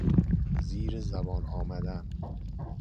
زیر زبان آمدن